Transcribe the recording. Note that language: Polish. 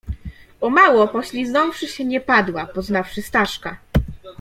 "O mało pośliznąwszy się nie padła, poznawszy Staszka."